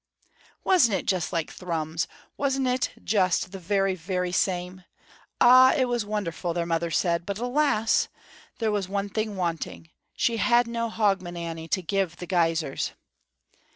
Wasn't it just like Thrums, wasn't it just the very, very same? Ah, it was wonderful, their mother said, but, alas, there was one thing wanting: she had no Hogmanay to give the guisers.